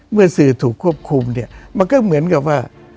เมื่อสื่อถูกควบคุมเนี่ยมันก็เหมือนกับว่า